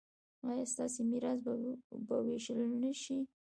ایا ستاسو میراث به ویشل نه شي؟